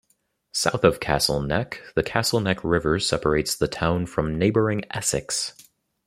South of Castle Neck, the Castle Neck River separates the town from neighboring Essex.